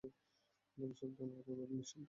তবে শব্দ করে নয়, নিঃশব্দে।